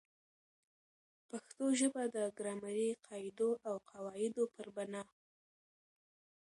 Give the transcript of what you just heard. پښتو ژبه د ګرامري قاعدو او قوا عدو پر بناء